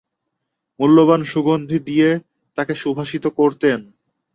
মূল্যবান সুগন্ধি দিয়ে তাকে সুভাসিত করতেন।